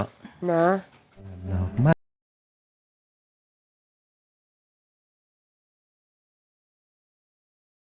อันนี้ฟังเสียงหัวใจ